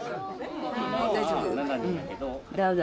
どうぞ。